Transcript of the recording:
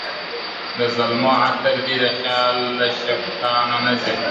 د زلفو عطر دي د خیال له شبستانه نه ځي !.